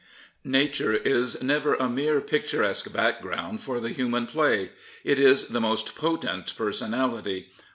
Nature is never a mere pictur esque background for the human play. It is the most potent personality.